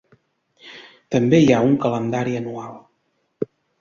També hi ha un calendari anual.